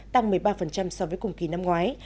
tăng một mươi ba so với cùng kỳ năm ngoái